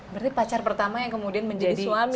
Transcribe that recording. berarti pacar pertama yang kemudian menjadi suami